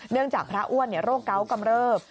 จากพระอ้วนโรคเกาะกำเริบ